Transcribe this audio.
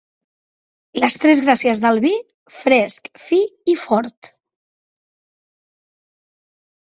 Les tres gràcies del vi: fresc, fi i fort.